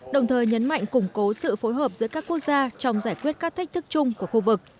đồng thời nhấn mạnh củng cố sự phối hợp giữa các quốc gia trong giải quyết các thách thức chung của khu vực